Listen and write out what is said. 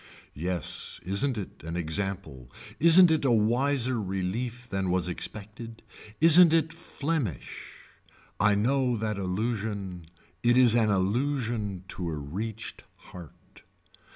Yes isn't it an example isn't it a wiser relief than was expected. Isn't it Flemish. I know that allusion it is an allusion to a reached heart.